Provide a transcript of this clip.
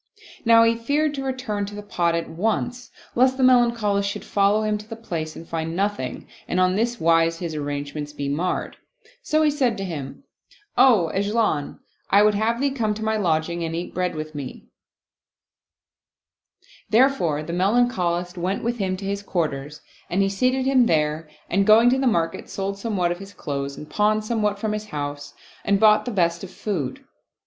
Now he feared to return to the pot at once, lest the Melancholist should follow him to the place and find nothing and on this wise his arrangements be marred ; so he said to him, " O 'Ajlan, I would have thee come to my lodging and eat bread with me/' Therefore the Melancholist went with him to his quarters and he seated him there and going to the market, sold somewhat of his clothes and pawned somewhat from his house and bought the best of food.